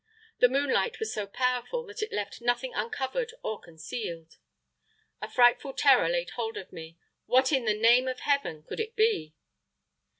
The moonlight was so powerful that it left nothing uncovered or concealed. A frightful terror laid hold of me what what in the NAME OF HEAVEN could it be?